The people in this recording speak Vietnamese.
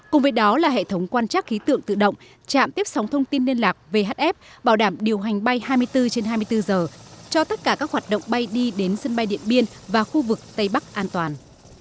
cùng với đó là hệ thống quan trác khí tượng tự động trạm tiếp sóng thông tin liên lạc vhf bảo đảm điều hành bay hai mươi bốn trên hai mươi bốn giờ cho tất cả các hoạt động bay đi đến sân bay điện biên và khu vực tây bắc an toàn